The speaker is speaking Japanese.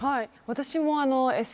私も。